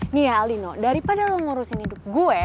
nih aldino daripada lo ngurusin hidup gue